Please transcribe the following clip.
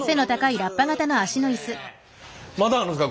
まだあるんですか？